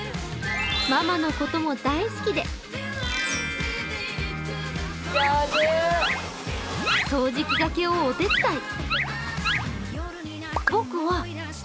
ママのことも大好きで掃除機がけをお手伝い。